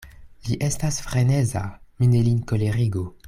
Li estas freneza; mi ne lin kolerigu.